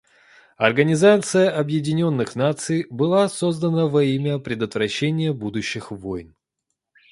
Организация Объединенных Наций была создана во имя предотвращения будущих войн.